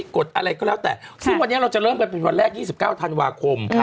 กฎอะไรก็แล้วแต่ซึ่งวันนี้เราจะเริ่มกันเป็นวันแรก๒๙ธันวาคม